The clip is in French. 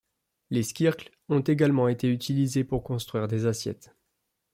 Les squircles ont également été utilisés pour construire des assiettes.